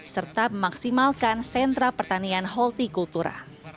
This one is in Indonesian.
serta memaksimalkan sentra pertanian holti kultura